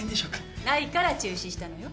ないから中止したのよ。